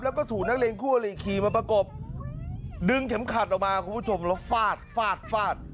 แล้วก็ถูกนักเรียนคู่อลิขี่มาประกบดึงเข็มขัดออกมาคุณผู้ชมแล้วฟาดฟาดฟาด